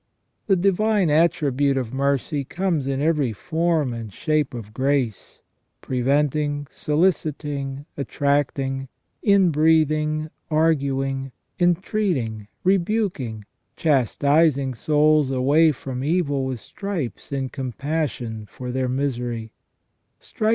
The divine attribute of mercy comes in every form and shape of grace : preventing, soliciting, attracting ; inbreathing, arguing, entreating, rebuking ; chastising souls away from evil with stripes in compassion for their misery; striking • See Hugo de Sancto Victore, Dialog.